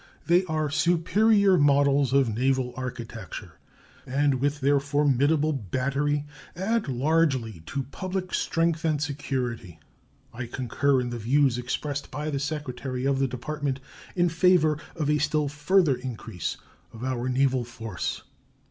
They are superior models of naval architecture, and with their formidable battery add largely to public strength and security. I concur in the views expressed by the Secretary of the Department in favor of a still further increase of our naval force.